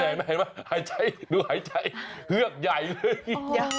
เห็นไหมหายใจดูหายใจเฮือกใหญ่เลย